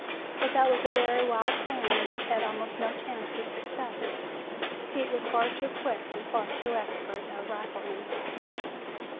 But that was a very wild plan which had almost no chance of success. Pete was far too quick and far too expert a rifleman.